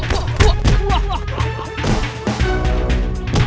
aku kok usingoshi pas mereka malen